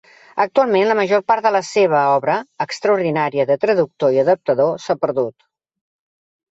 Actualment la major part de la seva obra extraordinària de traductor i adaptador s'ha perdut.